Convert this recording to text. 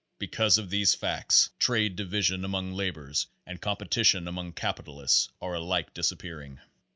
Because of these facts trade divisions among labor ers and competition among capitalists are alike disap pearing.